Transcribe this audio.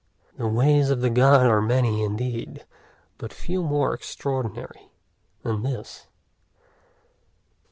The ways of the God are many, indeed, but few more extraordinary than this.